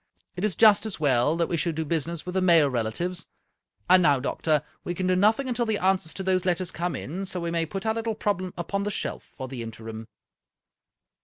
It is just as well that we should do business with the male relatives. And now, doctor, we can do nothing until the answers to those letters come, so we may put our little problem upon the shelf for the interim."